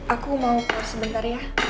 aku mau post sebentar ya